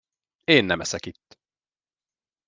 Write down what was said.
Én nem eszek itt.